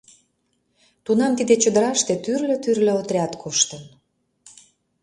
Тунам тиде чодыраште тӱрлӧ-тӱрлӧ отряд коштын.